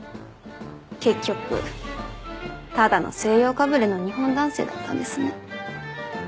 結局ただの西洋かぶれの日本男性だったんですね。